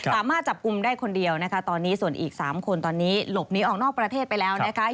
สามารถจับกลุ่มได้คนเดียวนะคะตอนนี้ส่วนอีก๓คนตอนนี้หลบหนีออกนอกประเทศไปแล้วนะคะ